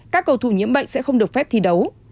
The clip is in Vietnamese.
các cầu thủ nhiễm bệnh sẽ không được phép thi đấu